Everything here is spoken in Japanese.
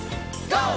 ＧＯ！